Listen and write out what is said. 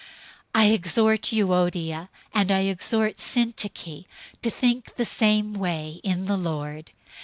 004:002 I exhort Euodia, and I exhort Syntyche, to think the same way in the Lord.